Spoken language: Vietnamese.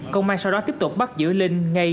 công an sau đó tiếp tục bắt giữ linh ngay